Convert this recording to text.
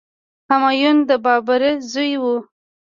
همایون د بابر زوی و.